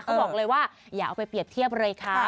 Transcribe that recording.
เขาบอกเลยว่าอย่าเอาไปเปรียบเทียบเลยค่ะ